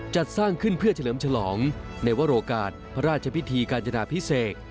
จัดสร้างขึ้นเพื่อเฉลิมฉลองในวโอกาสพระราชพิธีกาญจนาพิเศษ